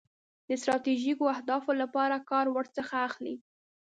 د ستراتیژیکو اهدافو لپاره کار ورڅخه اخلي.